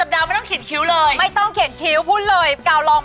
มักทิ้งไว้๕๘ชั่วโมงคุณผู้ชม